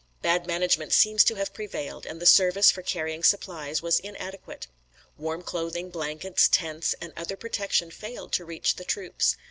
Bad management seems to have prevailed, and the service for carrying supplies was inadequate. Warm clothing, blankets, tents and other protection failed to reach the troops.